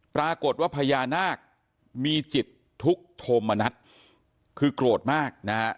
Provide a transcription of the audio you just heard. ปรากฎว่าพญานากมีจิตทุกตมทำคือโกรธมากนะฮะ